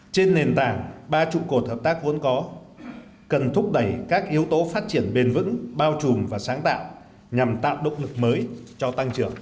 trên nền tảng ba trụ cột hợp tác vốn có cần thúc đẩy các yếu tố phát triển bền vững bao trùm và sáng tạo nhằm tạo động lực mới cho tăng trưởng